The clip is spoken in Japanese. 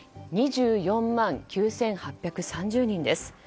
２４万９８３０人です。